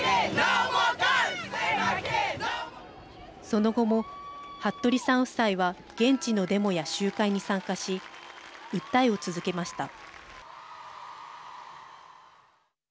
その後も服部さん夫妻は現地のデモや集会に参加し訴えを続けました。